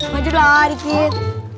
maju lah dikit